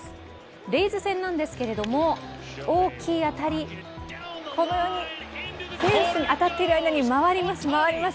レイズ戦なんですけど大きい当たり、フェンスに当たっている間に回ります、回ります。